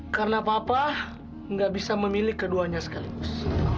karena papa gak bisa memilih keduanya sekaligus